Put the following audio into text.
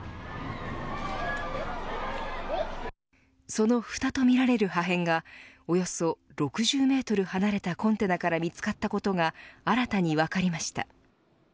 その、ふたとみられる破片がおよそ６０メートル離れたコンテナから見つかったことが新たに分かりました。